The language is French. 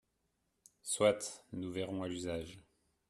Soit ! Nous verrons à l’usage.